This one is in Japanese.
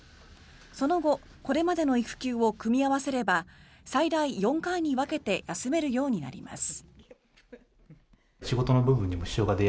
その後これまでの育休を組み合わせれば最大４回に分けて休めるようになります。